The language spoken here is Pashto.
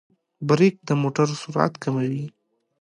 برېک د موټر سرعت کموي.